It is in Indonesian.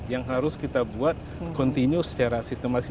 yang harus kita buat continue secara sistematis